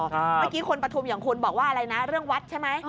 เมื่อกี้คนปฐุมอย่างคุณบอกว่าอะไรนะเรื่องวัดใช่ไหม